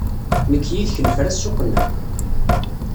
Nekk yid-k nefra ssuq-nneɣ.